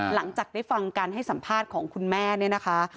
หลังจากได้ฟังการให้สัมภาษณ์ของคุณแม่เนี่ยนะคะ